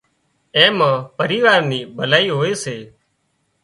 اين مان پريوار نِي ڀلائي هوئي سي